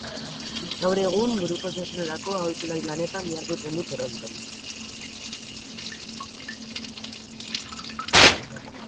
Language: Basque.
Gaur egun, buruko osasunerako aholkulari lanetan diharduten du Toronton.